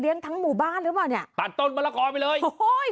ทั้งหมู่บ้านหรือเปล่าเนี่ยตัดต้นมะละกอไปเลยโอ้โห